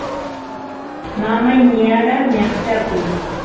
mamay niyara ñaqchakuy